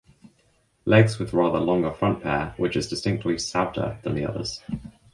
Legs with rather longer front pair which is distinctly stouter than the others.